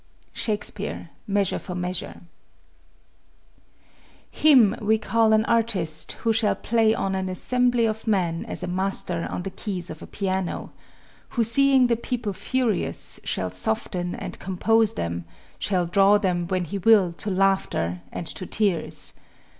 SHAKESPEARE, Measure for Measure. Him we call an artist who shall play on an assembly of men as a master on the keys of a piano, who seeing the people furious, shall soften and compose them, shall draw them, when he will, to laughter and to tears.